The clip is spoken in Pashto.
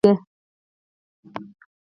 ستوري مې کرلي دي د اوښکو وایم شنه به شي